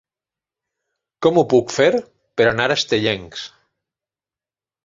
Com ho puc fer per anar a Estellencs?